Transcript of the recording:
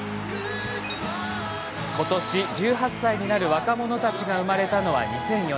ことし１８歳になる若者たちが生まれたのは、２００４年。